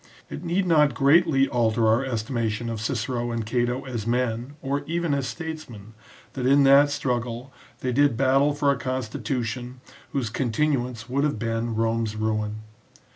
It need not greatly alter our estimation of Cicero and Cato as men, or even as statesmen, that in that struggle they did battle for a constitution whose continuance would NOTE ON SALLUST. XI have been Rome's ruin.